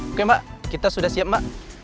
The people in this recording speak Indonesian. oke mbak kita sudah siap mbak